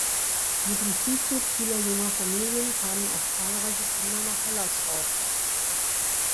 Mit dem Zuzug vieler junger Familien kamen auch zahlreiche Kinder nach Hellersdorf.